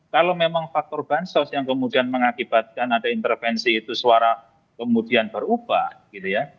kalau memang faktor bansos yang kemudian mengakibatkan ada intervensi itu suara kemudian berubah gitu ya